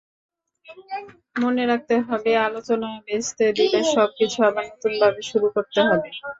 মনে রাখতে হবে, আলোচনা ভেস্তে দিলে সবকিছু আবার নতুনভাবে শুরু করতে হবে।